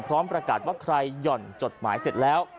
พร้อมประกาศว่าใครหย่อนจดหมายเสร็จแล้ว